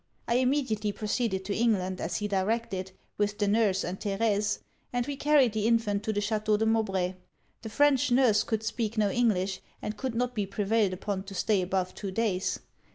I immediately proceeded to England as he directed, with the nurse, and Therése, and we carried the infant to the Chateau de Mowbray. The French nurse could speak no English, and could not be prevailed upon to stay above two days.